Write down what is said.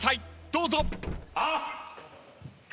どうぞ。